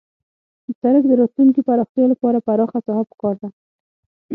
د سرک د راتلونکي پراختیا لپاره پراخه ساحه پکار ده